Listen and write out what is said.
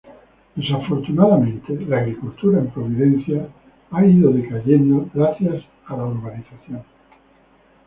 Desafortunadamente, la agricultura en Providencia ha ido decayendo gracias a la urbanización.